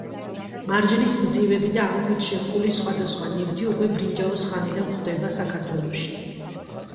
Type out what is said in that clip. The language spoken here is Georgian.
მარჯნის მძივები და ამ ქვით შემკული სხვადასხვა ნივთი უკვე ბრინჯაოს ხანიდან გვხვდება საქართველოში.